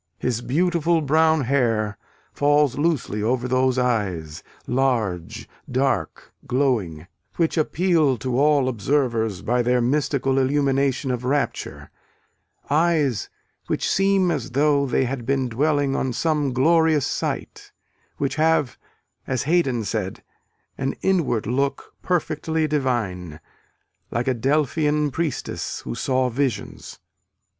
His beautiful brown hair falls loosely over those eyes, large, dark, glowing, which appeal to all observers by their mystical illumination of rapture eyes which seem as though they had been dwelling on some glorious sight which have, as Haydon said, "an inward look perfectly divine, like a Delphian priestess who saw visions."